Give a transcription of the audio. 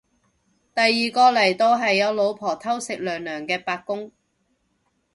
第二個嚟到係有老婆偷食娘娘嘅八公